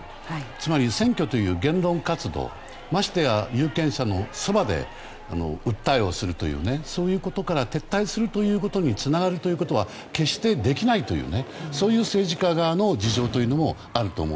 つまり、選挙という言論活動ましてや有権者のそばで訴えをするというそういうことから撤退するということにつながるということは決してできないというそういう政治家側の事情というのもあると思う。